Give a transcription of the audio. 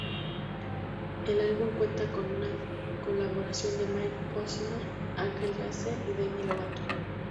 El álbum cuenta con colaboraciones con Mike Posner, Angel Haze y Demi Lovato.